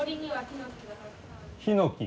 ヒノキ。